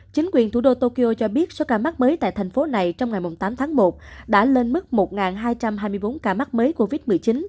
chính quyền thủ đô tokyo cho biết số ca mắc mới tại thành phố này trong ngày tám tháng một đã lên mức một hai trăm hai mươi bốn ca mắc mới covid một mươi chín